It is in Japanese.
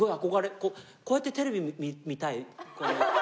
こうやってテレビ見たい。